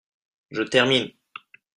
Je termine.